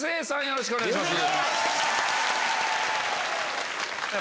よろしくお願いします。